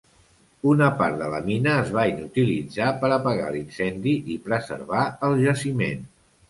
Una part de la mina es va inutilitzar per apagar l'incendi i preservar el jaciment.